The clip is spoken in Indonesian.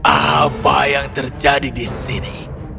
apa yang terjadi di sini